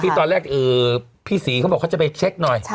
ตอนแรกพี่ศรีเขาบอกเขาจะไปเช็คหน่อย